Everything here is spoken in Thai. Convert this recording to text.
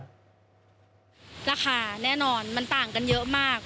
ราคาแน่นอนมันต่างกันเยอะมาก